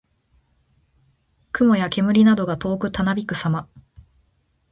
雲や煙などが遠くたなびくさま。